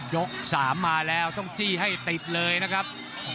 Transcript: ยก๓มาแล้วต้องจี้ให้ติดเลยนะครับ